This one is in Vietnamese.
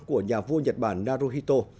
của nhà vua nhật bản naruhito